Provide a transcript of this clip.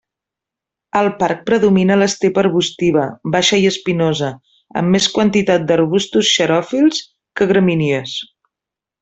Al parc predomina l'estepa arbustiva, baixa i espinosa, amb més quantitat d'arbustos xeròfils que gramínies.